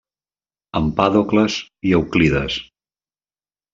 Empèdocles i Euclides.